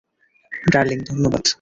Darling, ধন্যবাদ।